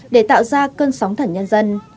để tạo ra cơn sóng thẳng nhân dân